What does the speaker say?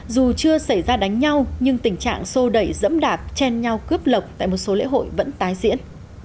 dù chưa xảy ra đánh nhau nhưng tình trạng sô đẩy dẫm đạp chen nhau cướp lộc tại một số lễ hội vẫn tái diễn